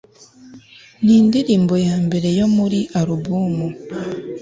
nindirimbo ya mbere yo muri alubumu